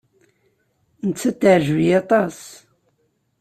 Nettat teɛjeb-iyi aṭas.